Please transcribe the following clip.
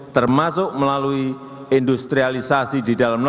termasuk melalui industrialisasi di dalam negeri